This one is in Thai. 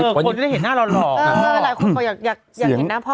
คนที่ได้เห็นหน้าเราหลอกเออหลายคนอยากเห็นหน้าพ่อ